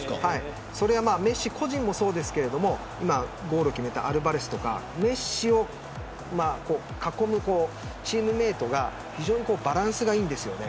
メッシ個人もそうですがゴールを決めたアルバレスとかメッシを囲んでいるチームメートが非常にバランスがいいんです。